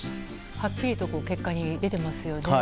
はっきりと結果に出てますよね。